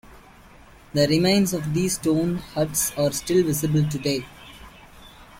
The remains of these stone huts are still visible today.